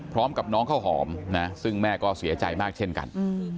พร้อมกับน้องข้าวหอมนะซึ่งแม่ก็เสียใจมากเช่นกัน